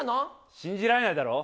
信じられないだろう。